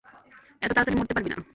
এতো তাড়াতাড়ি মরতে পারবি না।